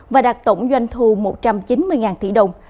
và đạt tổng doanh thu một trăm chín mươi tỷ đồng